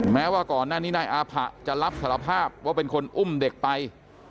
แม้ว่าก่อนหน้านี้นายอาผะจะรับสารภาพว่าเป็นคนอุ้มเด็กไป